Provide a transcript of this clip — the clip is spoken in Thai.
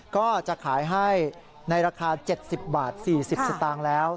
ก็จะขายให้ในราคา๗๐บาท๔๐สตางค์แล้ว